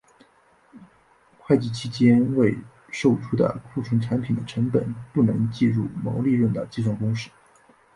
会计期内未售出的库存产品的成本不能计入毛利润的计算公式。